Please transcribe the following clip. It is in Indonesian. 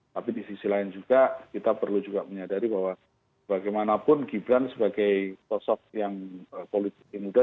tapi di sisi lain juga kita perlu juga menyadari bahwa bagaimanapun gibran sebagai sosok yang politisi muda